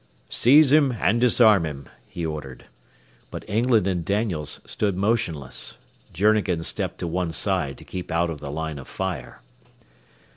"Seize him, and disarm him," he ordered. But England and Daniels stood motionless. Journegan stepped to one side to keep out of the line of fire.